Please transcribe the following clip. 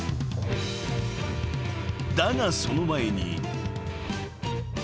［だがその前に］